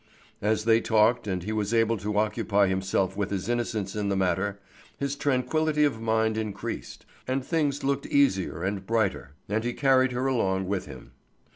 As they talked, and he was able to occupy himself with his innocence in the matter, his tranquillity of mind increased, and things looked easier and brighter. And he carried her along with him.